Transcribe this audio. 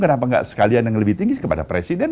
kenapa nggak sekalian yang lebih tinggi kepada presiden